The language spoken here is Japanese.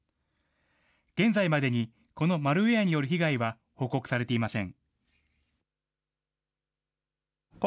現在までにこのマルウエアによる被害は報告されていません。